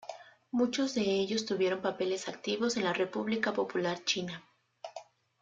Muchos de ellos tuvieron papeles activos en la República Popular China.